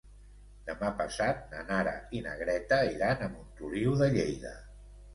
Demà passat na Nara i na Greta iran a Montoliu de Lleida.